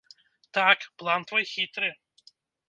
Так, план твой хітры.